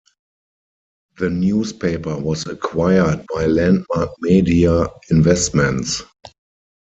The newspaper was acquired by Landmark Media Investments.